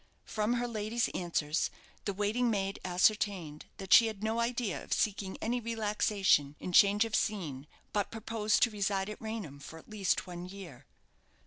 From her lady's answers, the waiting maid ascertained that she had no idea of seeking any relaxation in change of scene, but purposed to reside at Raynham for at least one year.